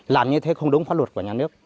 làm như thế không đúng pháp luật của nhà nước